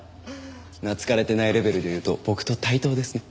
懐かれてないレベルでいうと僕と対等ですね。